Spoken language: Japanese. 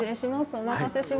お待たせしました。